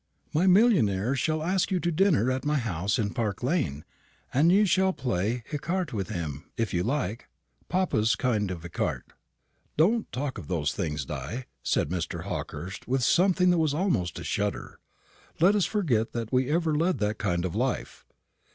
My millionaire shall ask you to dinner at my house in Park lane; and you shall play écarté with him, if you like papa's kind of écarté." "Don't talk of those things, Di," said Mr. Hawkehurst, with something that was almost a shudder; "let us forget that we ever led that kind of life."